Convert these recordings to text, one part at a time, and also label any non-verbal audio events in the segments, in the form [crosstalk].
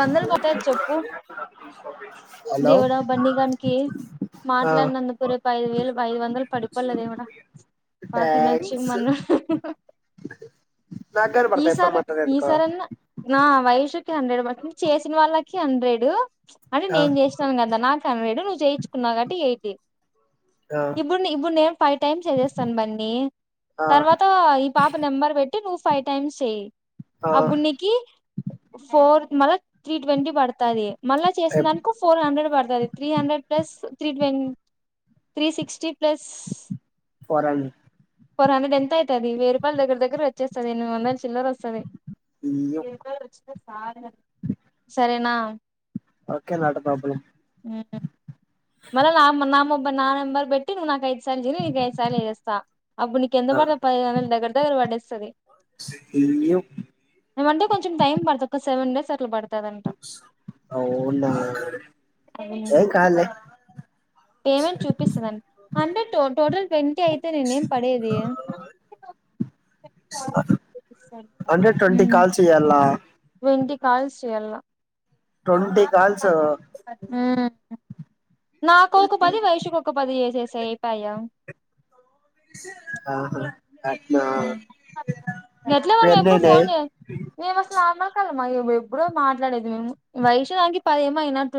వందలు కట్టారు చెప్పు, హలో దేవుడా బన్నీ గానికి ఆ మాట్లాడినందుకు రేపు ఐదు వేలు ఐదు వందలు పడిపోలే దేవుడా, బా తినొచ్చు ట్యాంక్స్ మన్ను, నాకు కనపడతాయి ఫోన్ ఈసారి మాట్లాడనుకో ఈసారన్న నా వయసుకి హండ్రెడ్ పడ్ చేసిన వాళ్ళక్ కి హండ్రెడు అంటే ఆ నేను చేసినాను కదా, నాకు హండ్రెడు నువ్ చేయించుకున్నా కావట్టి ఎయిటీ ఆ ఇప్పుడు ఇప్పుడు నేను ఫైవ్ టైమ్స్ చేసేస్తాను బన్నీ, ఆ తర్వాత ఈ పాప నెంబర్ బెట్ టె నువ్ ఫైవ్ టైమ్స్ చెయ్ ఆ అబ్బు నీకి ఫోర్ మ త్రీ ట్వంటీ పడుత ది మళ్ళా చేసిన ఎఫ్ దానీకి ఫోర్ హండ్రెడ్ పడుతది three hundred plus three twenty three sixty plus for ఆన్ ఫోర్ హండ్రె ఎంత అయితది వెయ్యిరూపయల్ దగ్గర దగ్గర వచ్చేసది ఎనిమి వందల చిల్లరా వస్సది యు ఏందో రుచ్చిన సాలేదు సరేనా ఓకే నాట్ ప్రాబ్లం మల నామ్ నా మోబ్ నా నాంబర్ బెట్టి నువ్ నాకయ్ సంజనీ నిక్ ఐదు సార్లు జేస్త అప్పుడు నీక్ ఆ ఎంతబడ్ తదో పదైదు వందలు దగ్గర దగ్గర పడేస్ సరే యు మండే కొంచం టైం పడుతు ఒక సెవెన్ డేస్ రలు బడ్ అవునా ఎం కాదులే పేమెంట్ చూపిస్తుందన్ డి హండ్రెడ్ టోటల్ ట్వంటీ అయితే నేను ఏం పడేది అంటే ట్వంటీ ఉమ్ కాల్స్ చేయాలా ట్వంటీ కాల్స్ చేయాలా ట్వంటీ కాల్స్ నాకొ ఒక పది వైషూ కోక పది చేసేస్ సే పయ ఆహా అట్నా ఎట్లా ఇప్పుడు మనమేపూడ్ ఎన్నయినయి ఫోన్ జే మేం అసలు ఆ న కలమా మేం ఎప్పుడో మాట్లాడేది మేము వైషూ దానికి పది ఏమో అయినట్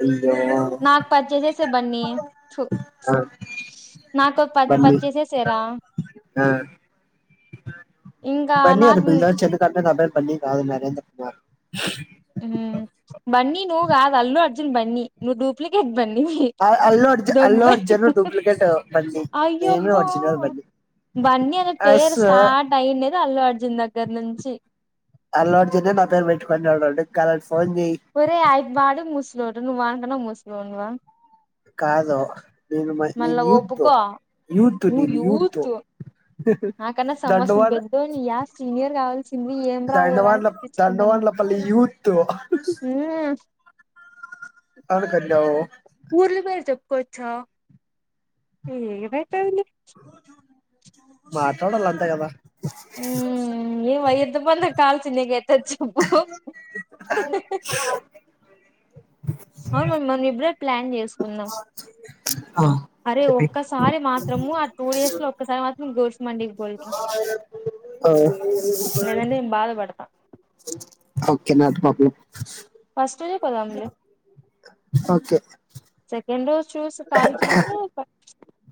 అయ్యో నాక్ పది జేసేసేయ్ బన్నీ తూ ఆ నాకు ఓక్ పద్ పద్ బన్నీ చ్చేసేసెయ్ రా ఆ ఇంకా నాక్ ఉ అంటే నా పేరు బన్నీ కాదు నరేంద్ర కుమార్ ఉ బన్నీ నువ్ గాద్ అల్లు అర్జున్ బన్నీ నువ్ డూప్లికేట్ బన్నీవి ఆల్ అల్లు ఆర్జిన్ దొంగ అల్ బన్నీ ఒర్జిన్ డూప్లికేట్ బన్నీ నేనే అయ్యబ్బా ఒర్జినల్ బన్నీ బన్నీ అనే అస్ పేరు స్టార్ట్ అయిండేది అల్లు అర్జున్ దగ్గర నుంచి అల్ ఒర్జినే నా పేరు పెట్టుకొన్నాడు అండి కలర్స్ ఒరే అయ్ బాడు ముస్ [unintelligible] కాదు నేను మ- నేను మళ్ళా యూత్ ఒప్పుకో యూత్ ను నేను యూత్ నాకన్నా సమస్తం దండవాన్ పెద్దోళ సీనియర్ కావాల్సింది ఏం రావురా అని దండవాన్ల గుప్పించుకుంటున్నా దండవాన్లపల్లి యూత్ హ యేడికె వెలవ ఊర్ల పేరు చెప్పుకోవచ్చా ఏ మాట్లాడాల అంతే కదా ఉ ఇవ అద్దు బంద కాలచిన గ అవును మ్యా మ ఇబ్ర ప్లాన్ చేసుకుందాం అరే చెప్పి ఒక్కసారి మాత్రము టూ ఇడయర్స్ లో ఒక్కసారి మాత్రం గోర్స్ మండికి పోల్తాం ఆ నేను బాధపడతా ఓకే నాట్ ప్రబ్ల ష్ట కొదంలే ఓకే సెకండ్ డే కాల్చింది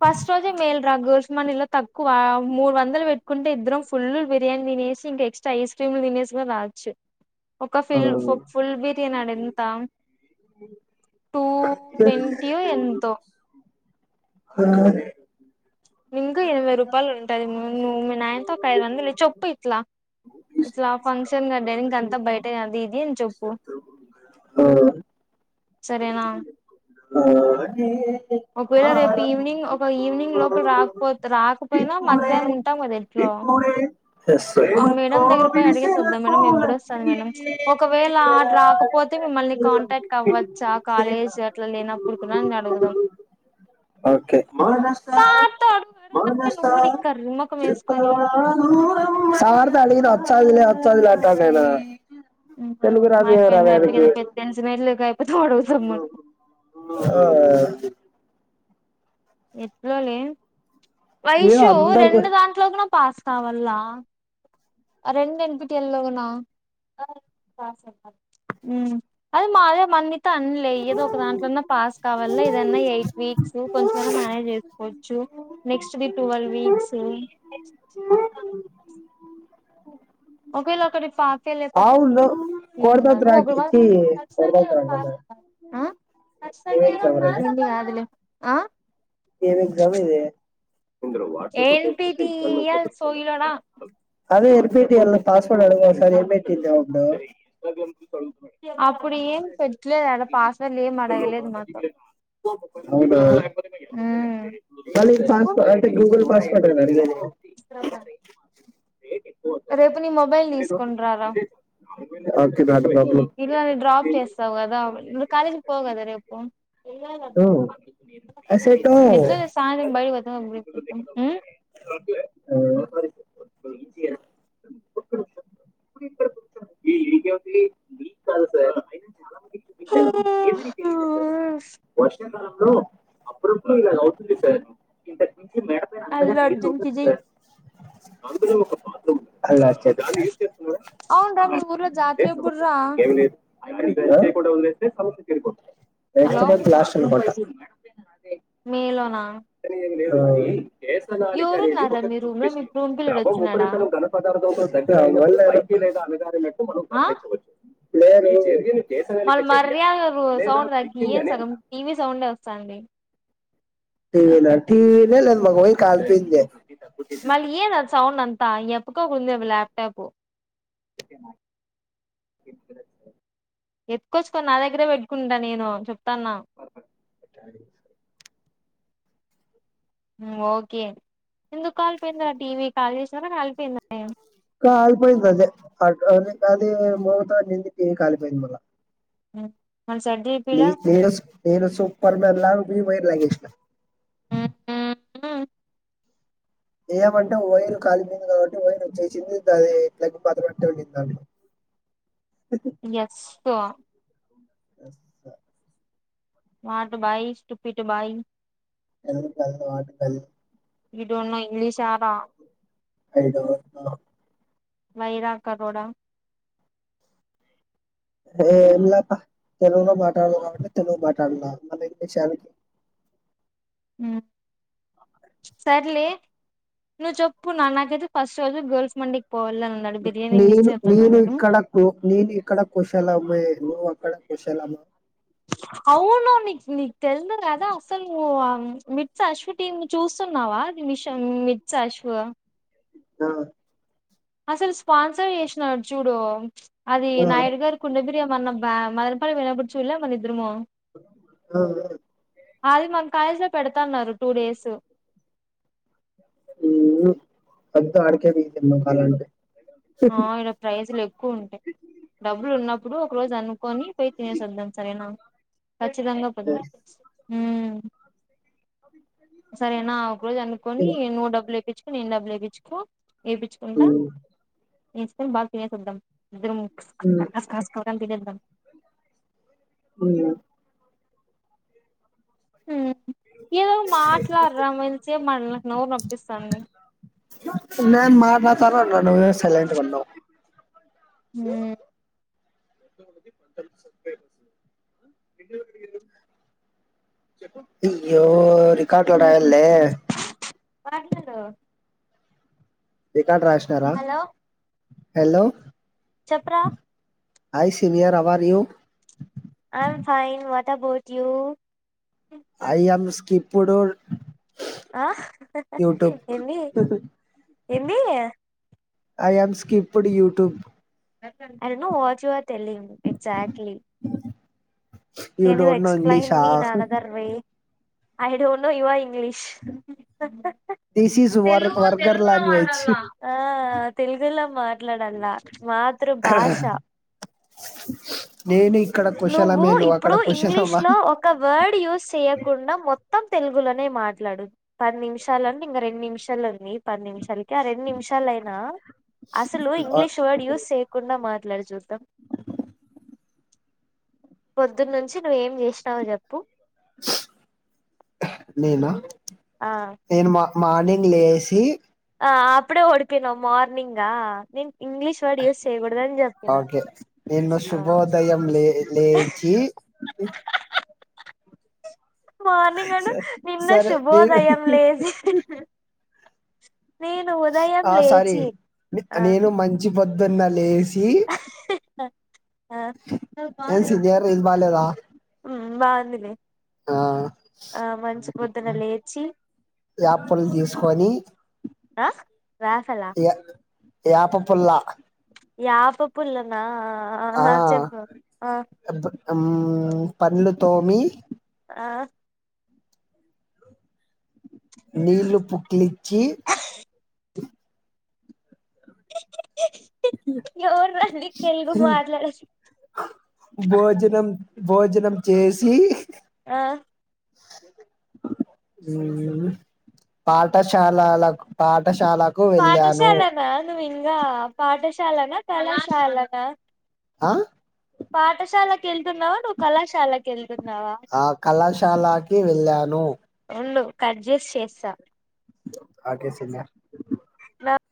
ఫస్ట్ రోజే మేలు రా గోల్స్మానీలో తక్కువ మూడు వందలు పెట్టుకుంటే ఇద్దరం ఫుల్ బిర్యానీ తినేసి ఇంకా ఎక్స్ట్రా ఐస్ క్రీమ్లు తినేసి గుడా రావచ్చు. ఒక ఫిల్ ఫు ఫుల్ బిర్యానీ ఆడేంత టూ ట్వంటీయో ఎంతో ఇంక ఎనవై రూపాయలు ఉంటది ను నువ్ మీ నాయనతో ఒక ఐదు వందలు చెప్పు ఇట్లా ఇట్లా ఫంక్షన్ డాడీ ఇంక్ అంతా బయట అది ఇది అని చెప్పు సరేనా ఒకవేళ రేపు ఈవినింగ్ ఒక ఈవినింగ్ లోపల రాకపోత్ రాకపోయినా మధ్యాహ్నం ఉంటాం గదా ఎట్లో ఎస్ సార్ ఆ మేడం దగ్గర పోయి అడిగేసొద్దం మేడం ఎప్పుడు వస్తారు మేడం ఒకవేళ రాకపోతే ఆడ్ మిమ్మల్ని కాంటాక్ట్ అవొచ్చా కాలేజ్ అట్లా లేనప్పుడు కూడా అని అడుగుదాం ఓకే సార్ తో అడుగు అడుగంటే నువ్వు కూడా ఇక్కడ రుమ్మకం వేసుకొని సార్ తో అడిగిన వచాదిలే వచాదిలే అంటాండ్ ఆయన అయిపోయింది అయిపకేదొ పెద్ద తెలిసినట్లు అయిపతో అడుగుతాం మనం ఆ ఎట్లో లే ఏమో వైషూ అందరికి రెండు దాంట్లో గునా పాస్ కావల్ల రెండెందుకు ఎల్లో నా హుమ్ అదే మా [unintelligible] అన్లే ఏదో ఒక దాంట్లోన్నా పాస్ కావాల ఏదన్నా ఎయిట్ వీక్స్ కొంచ న మానాయన చే వచ్చు నెక్స్ట్ ది ట్వల్వ్ వీక్స్ ఒకేలొక్కటి పా అవును ఒక కొడతాత్రకి నిన్ను కాదు లే ఆ ఏమేగ్జాము ఇది ఇందులో వాట్సాప్ ఫేస్బుక్ ఏంటిటి ఇన్స్టాల్మెంట్ లో ఇయ్యాల దొరుకుతుందా సోయిలోనా అదే ఎల్ పి టాబెల్ పాస్వర్డ్ అడగవా ఒకసారి ఏం పెట్టిందో ఏమో అప్పుడు ఏం పెట్టలేదు అడ పాస్వర్డ్ ఏం అడగలేదు మాత్రం హ అళ పాస్ అంటే గూగుల్ పాస్పోర్ట్ అ రేపు నీ మొబైల్ దీసుకొని రారా ఎట్ల నన్ను డ్రాప్ చేస్తావు గదా కాలేజీకి పోవు కదా రేపు ఏట్లో సాయంత్రం బ వద్ద అతం ఇక న కాదు సార్ చాలా ఆ వర్షాకాలంలో అప్పుడప్పుడు ఇలా అవుతుంది సార్ ఇంత అల్లు అర్జున్కిజై అందులో ఒక పాత అలా చేద్దాం దాన్ని యూజ్ చేస్తున్నావా అవునురా మీ ఊర్లో అదే జాతర సమస్య ఎప్పుడురా ఇంకా ఏం లేదు దాన్ని యూజ్ చేయకుండా వదిలేస్తే సమస్య తీరిపోతుందా హలో లక్ష రూపాయల మీలోనా ఆ వేసనాళిక అనేది ఒక మీ రూమ్ లో మీ విషయం రూమ్ పిల్లోడు ద్రవ వచ్చినాడా ఉపరితలం ఘన పదార్థం ఒక అ రెదా అ ఆ లేదు నీ చేతికి మళ్ళ మర్యాదగా సౌండ్ తగ్గి ఏంది సగం టీవీ సౌండ్ ఏ వస్తాంది. టీవీన టీవీనే లేదు. మాకు వైరు కాల్పోయింది. మళ్లీ ఏంది ఆ సౌండ్ అన్ ఆ ఎప్పుకో కుడుంది ల్యాప్టాపు ఓకేనా మీరు ముగ్గుర్స్ ఎతుకోవచ్చుక నా దగ్గరే పెట్టుకుంటాను నేను చెప్ తన ఓకే ఎందుకు కాలిపోయిందో ఆ టీవీ కాల్ చేసినార కాలిపోయిందా కాలిపోయిందిఅదే అ అది మోగుతాంది కాలిపోయింది మల్ల హూ నీ నేను నేను సూపర్ ఉన్నాను లావ్ మీ వైరు లాగేసిన హూ ఏయమంటే ఓయల్ కాలిపోయింది. కాబట్టి ఓయల్ చేసింది అది ఇట్లాకి బదమంట వెళ్ళంది దాన్ని ఎస్ ప అస్త మాట్ బాయి స్టుపిట్ బాయి ఎవరు కలిన్ వాళ్ళు కాలిన్ ఇ తో ఉన్న ఇంగ్లీష్ ఆరా అయిదోబ వైరా కర్రోడా ఏంలా బా తెలుగులో మాట్లాడాలా కాబట్టి తెలుగు మాట్లాడిన మళ్ళ ఇంగ్లీష్ యనికి హు సర్లే నువ్వు చెప్పు నాన్న కైతే ఫస్ట్ రోజు మండిద్ నేను నేను ఇక్కడ నేను ఇక్కడ కుశలమేను అక్కడ కుషలమ్ అవును నీకు నీకు తెల్ద్ కదా. అసలు నువ్వు మిట్స్ అశ్వ టీమ్ చూస్తున్నావా. అది మిష మిర్స్ అశ్వ ఆ అసలు స్పాన్సర్ చేసినడు చూడు అది ఆ నాయుడు గారు కుండ బిరియా మన్న మదనపల్లి పోయినపుడు చుల్లా మనిద్దరమూ ఆ అది మన కాలేజీ లో పెడతాన్నారు టూ డేస్ ఉమ్ హు అంత అడికే బతేమ్ మా కాలంటే ఆ ఇడ ప్రైజ్ లు ఎక్కువ ఉంటయ్. డబ్బులు ఉన్నప్పుడు ఒక రోజు అను కొని పోయి తినేసి వద్దాం సరేనా ఖచ్చితంగా పదం అ సరేనా ఒక రోజు అనుకొని నువ్వు డబ్బులు ఎ డబ్బులు ఏపిచ్చుకో వేపిచ్చుకుంటా నెక్స్ట్ టైం బాగా తినేసి వద్దాం ఇ్ర ము కస్కో ఉ ఏదో మాట్లాడరా మలిచ మనకి నవవు నొప్పిస్తుంది సర్వాడ్ సైలట్ బన హ అయ్యో రికార్డులు రాయాలి పట్లలో రికార్డ్ రాసినారా హలో చెప్పురా hi senior how are you I'm fine what about you I am skip కుడురు ఆ ఏమి ఏంది స్కిప్పుడు యూట్యూబ్ అ వాచ్వా తెలి exactly you can you don't know explain ఇంగ్లీషా me in another way I don't know your English this is వర్ తెలుగు వర్గర్ తెలుగు లాంగ్వేజ్ ఆ తెలుగులో మాట్లాడాల మాతృభాష నేను ఇక్కడ నువ్వు కుశలమే అక్కడ ఇప్పుడు ఇంగ్లీష్ కుశలమా లో ఒక వర్డ్ యూజ్ చేయకుండా మొత్తం తెలుగులోనే మాట్లాడు పది నిమిషాలు అంటే ఇంక రెండు నిమిషాలు ఉంది పది నిమిషాలకి ఆ రెండు నిమిషాలయినా అసలు ఆహ్, ఇంగ్లీష్ వర్డ్ యూజ్ చేయకుండా మాత్ర ఇలా జూత పొద్దున్న నుంచి నువ్వేం చేసావు స్తవు చెప్పు మీమా ఆ ఏన్ మా మార్నింగ్ లేసి ఆ అప్పుడే ఓడిపోయినావ్ మార్నింగ్ ఆ ఓకే నిన్న ఆ శుభోదయం లే లేచి మార్నింగ్ అను స- నిన్న సరే నేను శుభోదయం లేచి [inaudible] ఉదయం ఆ సారి లేచి ఆ నేను మంచి పొద్దున్న లేసి చి ఆ ఏం సినియర్ ఇది బాలేదా ఉమ్, బాగుందిలే ఆ మంచి పొద్దున లేచి యాపపుల్ల తీసుకొని ఆ రాఫలా యాపపుల్లా యాపపుల్లనా ఆ వద్దు పండ్లు తోమి ఆ నీళ్ళు పుక్లి చి ఎవర్రా నీకు తెలుగు మాట్లాడేది భోజనం భోజనం చేసి ఆ పాఠశాల ల కు పాఠ పాఠశాలకు వెళ్ళాను పాఠశాలనా నువ్వు పాఠశాలనా కళాశాలనా ఆ పాఠశాల కెల్ వెళ్తున్నావా నువ్వు కళాశాలకి వెళ్తున్నావా ఆ కళాశాలకి వెళ్ళాను కడ్జెస్ చేస్తా ఆకేసిందా అ